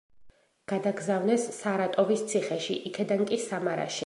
გადაგზავნეს სარატოვის ციხეში, იქედან კი სამარაში.